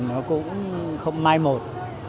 nó cũng không mai một